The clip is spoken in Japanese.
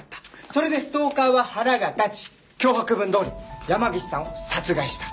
それでストーカーは腹が立ち脅迫文どおりに山岸さんを殺害した。